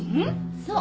そう。